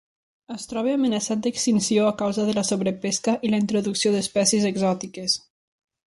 Es troba amenaçat d'extinció a causa de la sobrepesca i la introducció d'espècies exòtiques.